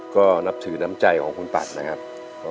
ก็นับถือน้ำใจของคุณปัดนะครับ